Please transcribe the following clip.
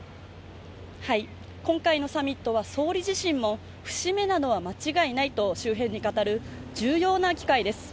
今回のサミットは、総理自身も節目なのは間違いないと周辺に語る重要な機会です。